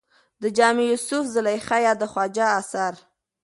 د جامي يوسف زلېخا يا د خواجه اثر